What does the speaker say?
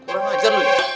berapa aja lu ya